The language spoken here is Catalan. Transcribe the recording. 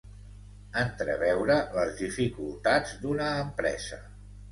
Entreveure les dificultats d'una empresa.